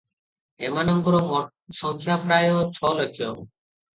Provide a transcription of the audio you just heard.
ଏମାନଙ୍କର ମୋଟସଂଖ୍ୟା ପ୍ରାୟ ଛଲକ୍ଷ ।